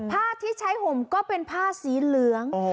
ผ้าที่ใช้ห่มก็เป็นผ้าสีเหลือง